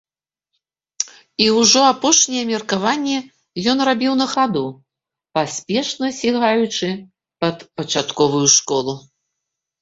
І ўжо апошнія меркаванні ён рабіў на хаду, паспешна сігаючы пад пачатковую школу.